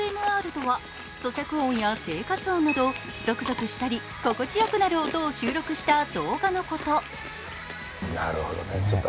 ＡＳＭＲとは、そしゃく音や生活音などゾクゾクしたり心地よくなる音を収録した動画のこと。